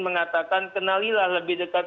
mengatakan kenalilah lebih dekat